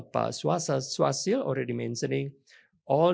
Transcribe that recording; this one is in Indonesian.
pak swasil sudah mengingatkan